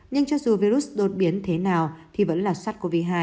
nhưng cho dù virus đột biến thế nào thì vẫn là sars cov hai